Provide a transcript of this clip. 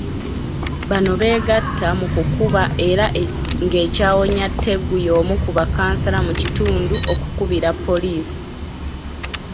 Bano beegatta mu kukuba era ng'ekyawonya Tegu y'omu ku bakkansala mu kitundu okukubira poliisi.